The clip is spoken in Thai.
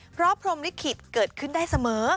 เพราะพรมลิขิตเกิดขึ้นได้เสมอ